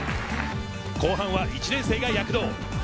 後半は１年生が躍動。